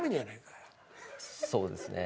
そうですよね。